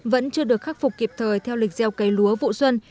vẫn chưa được khắc phục kịp thời theo lịch gieo cấy lúa vụ xuân